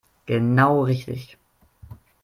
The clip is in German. Genau richtig.